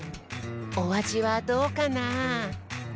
おあじはどうかなあ？